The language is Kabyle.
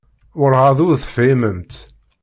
Werɛad ur tefhimemt.